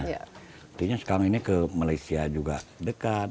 artinya sekarang ini ke malaysia juga dekat